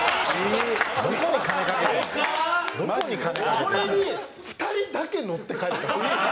これに２人だけ乗って帰ったんですよ。